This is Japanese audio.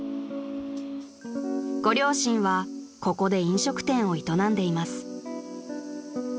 ［ご両親はここで飲食店を営んでいます］